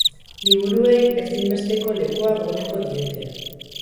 Liburuei ezinbesteko lekua gordeko diete.